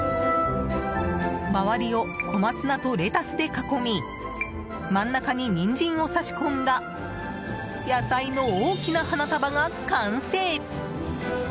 周りを小松菜とレタスで囲み真ん中にニンジンを差し込んだ野菜の大きな花束が完成！